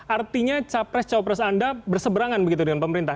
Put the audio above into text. artinya capres capres anda berseberangan begitu dengan pemerintah